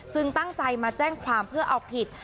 ตั้งใจมาแจ้งความเพื่อเอาผิด